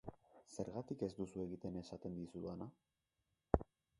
Zergatik ez duzu egiten esaten dizudana?